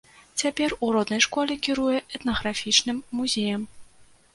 Цяпер у роднай школе кіруе этнаграфічным музеем.